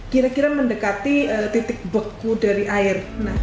kira kira mendekati titik beku dari air